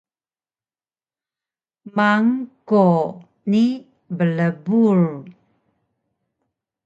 mang-kwo ni blbul